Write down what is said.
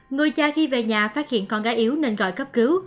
người cha khi về nhà phát hiện con gái yếu nên gọi cấp cứu